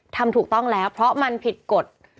ทำถูกต้องแล้วเพราะมันผิดกฎ